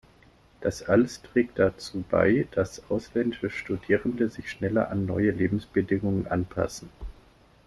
Das alles trägt dazu bei, dass ausländische Studierende sich schneller an neue Lebensbedingungen anpassen.